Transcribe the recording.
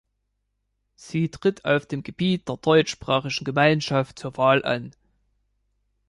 Sie tritt auf dem Gebiet der Deutschsprachigen Gemeinschaft zur Wahl an.